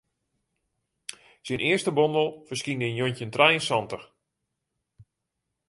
Syn earste bondel ferskynde yn njoggentjin trije en santich.